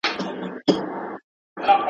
شخصي انځورونه بې اجازې خپرول منع دي.